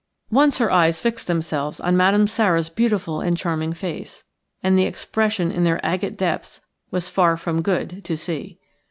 Once her eyes fixed themselves on Madame Sara's beautiful and charming face, and the expression in their agate depths was far from good to see.